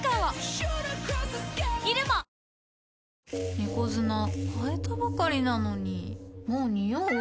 猫砂替えたばかりなのにもうニオう？